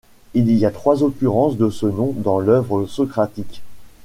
Il y a trois occurrences de ce nom dans l'œuvre socratique.